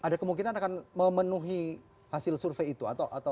ada kemungkinan akan memenuhi hasil survei itu